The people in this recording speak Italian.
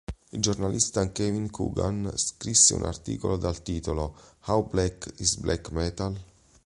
Il giornalista Kevin Coogan scrisse un articolo dal titolo "How Black Is Black Metal?